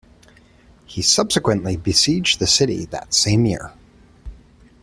He subsequently besieged the city that same year.